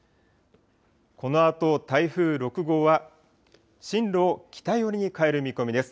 このあと、台風６号は進路を北寄りに変える見込みです。